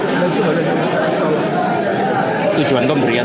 tisu basah tisu basah